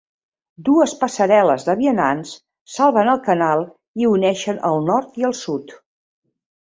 Dues passarel·les de vianants salven el canal i uneixen el nord i el sud.